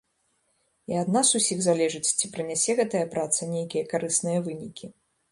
І ад нас усіх залежыць, ці прынясе гэтая праца нейкія карысныя вынікі.